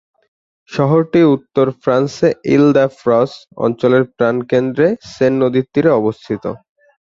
শহরটি উত্তর ফ্রান্সে ইল-দ্য-ফ্রঁস অঞ্চলের প্রাণকেন্দ্রে সেন নদীর তীরে অবস্থিত।